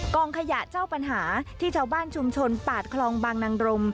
ขยะเจ้าปัญหาที่ชาวบ้านชุมชนปากคลองบางนางรม